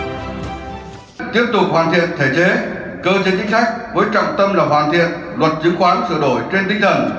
tiếp tục hoàn thiện thể chế cơ chế chính sách với trọng tâm là hoàn thiện luật chứng khoán sửa đổi trên tinh thần